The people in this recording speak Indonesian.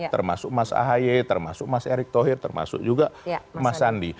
termasuk mas ahaye termasuk mas erick thohir termasuk juga mas sandi